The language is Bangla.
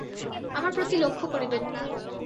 আমার প্রতি লক্ষ করিবেন না।